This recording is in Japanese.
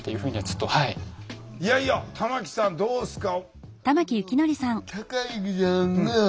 いやいや玉木さんどうですか？